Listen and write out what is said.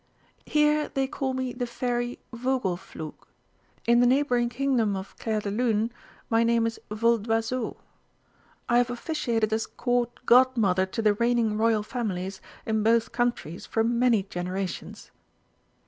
"Here they call me the Fairy Vogelflug; in the neighbouring Kingdom of Clairdelune my name is Voldoiseau. I have officiated as Court Godmother to the reigning Royal families in both countries for many generations."